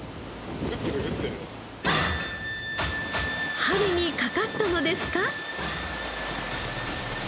針にかかったのですか？